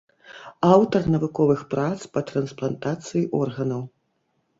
Аўтар навуковых прац па трансплантацыі органаў.